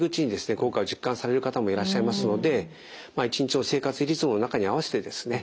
効果を実感される方もいらっしゃいますので一日の生活リズムの中に合わせてですね